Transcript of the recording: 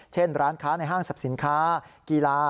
เช่นร้านค้าในห้างศัพท์สินค้ากีฬา